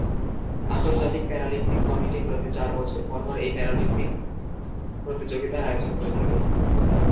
আন্তর্জাতিক Paralympic committee প্রতি চার বছর পর পর এই প্যারালিম্পিক প্রতিযোগিতার আয়োজন করে থাকে।